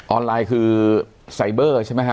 ออนไลน์คือไซเบอร์ใช่ไหมฮะ